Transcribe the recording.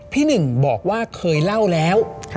หนึ่งบอกว่าเคยเล่าแล้ว